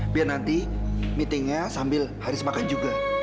biar nanti meetingnya sambil haris makan juga